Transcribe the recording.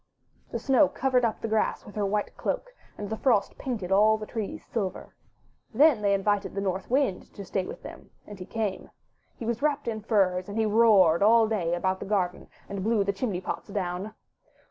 The Snow covered up the grass with her white cloak, and the Frost painted all the trees silver. Then they invited the North Wind to stay with them, and he came. He was wrapped in furs, and he roared all day about the garden, and blew the chimney pots down.